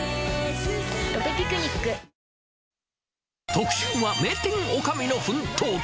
特集は、名店女将の奮闘記。